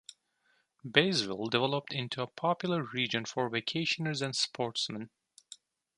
Baysville developed into a popular region for vacationers and sportsmen.